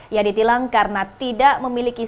ia ditilang karena tidak memiliki